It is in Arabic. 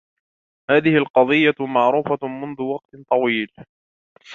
هذه القضية معروفة منذ وقت طويل.